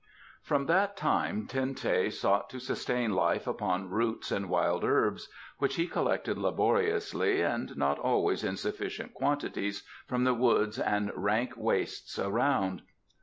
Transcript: From that time Ten teh sought to sustain life upon roots and wild herbs which he collected laboriously and not always in sufficient quantities from the woods and rank wastes around.